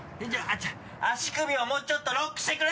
足首をもうちょっとロックしてくれ！